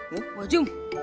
loh pak jom